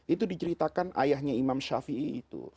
itu diceritakan ayahnya imam shafi'i itu